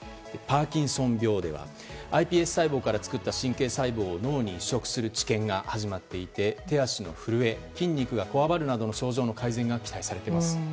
パーキンソン病ではｉＰＳ細胞から作った神経細胞を脳に移植する治験が始まっていて手足の震え筋肉がこわばるなどの症状の改善が期待されています。